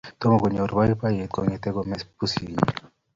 Tom konyor poipoiyet kong'ete kome pusit nyi